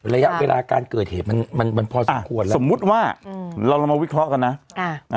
ระยะเวลาการเกิดเหตุมันมันพอสมควรแล้วสมมุติว่าอืมเราเรามาวิเคราะห์กันนะอ่า